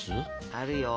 あるよ！